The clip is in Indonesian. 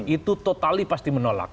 itu totali pasti menolak